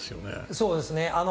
そうですね。